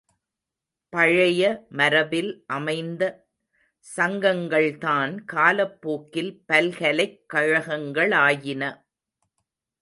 பழைய மரபில் அமைந்த சங்கங்கள்தான் காலப்போக்கில் பல்கலைக்கழகங்களாயின.